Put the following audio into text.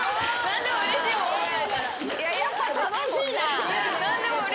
やっぱ楽しいな。